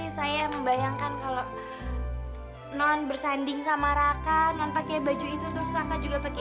saya membayangkan kalau nan bersanding sama raka nan pake baju itu terus raka juga pake